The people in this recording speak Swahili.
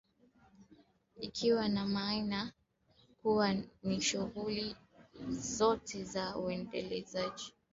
Ikiwa na maana kuwa ni shughuli zote za Uendelezaji na ukuzaji wa uchumi